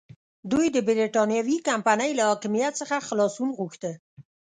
دوی د برېټانوي کمپنۍ له حاکمیت څخه خلاصون غوښته.